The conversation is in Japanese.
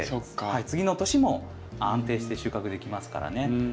次の年も安定して収穫できますからね。